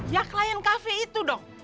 ya klien cafe itu dong